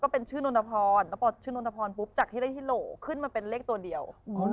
ก็เป็นเลขตัวเดียว